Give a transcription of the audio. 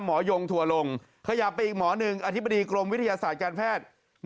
ยงถั่วลงขยับไปอีกหมอหนึ่งอธิบดีกรมวิทยาศาสตร์การแพทย์